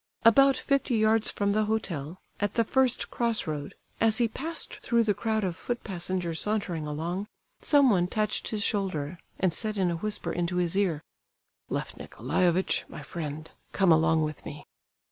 About fifty yards from the hotel, at the first cross road, as he passed through the crowd of foot passengers sauntering along, someone touched his shoulder, and said in a whisper into his ear: "Lef Nicolaievitch, my friend, come along with me."